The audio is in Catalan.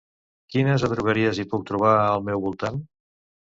Quines adrogueries hi puc trobar al meu voltant?